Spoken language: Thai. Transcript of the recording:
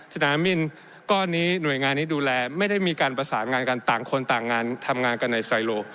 สนามบินก้อนนี้หน่วยงานนี้ดูแลไม่ได้มีการประสานงานกันต่างคนต่างงานทำงานกันในไซโล